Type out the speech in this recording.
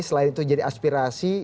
selain itu jadi aspirasi